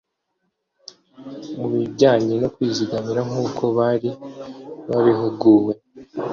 Mu bijyanye no kwizigamira nk’uko bari babihuguwe